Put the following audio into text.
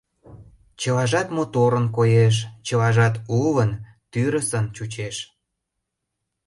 Чылажат моторын коеш, чылажат улын, тӱрысын чучеш.